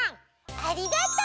ありがとう！